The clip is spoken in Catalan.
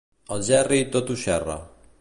Algerri tot ho xerra.